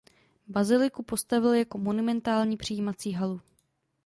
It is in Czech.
Baziliku postavil jako monumentální přijímací halu.